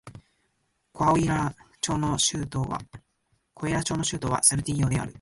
コアウイラ州の州都はサルティーヨである